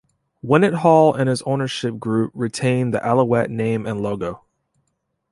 Wetenhall and his ownership group retained the Alouette name and logo.